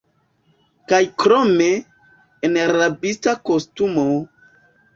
Kaj krome, en rabista kostumo!